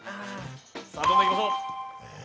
どんどんいきましょう。